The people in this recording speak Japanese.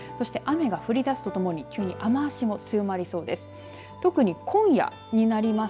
そして、雨が降りだすとともに雨足も強まりそうです。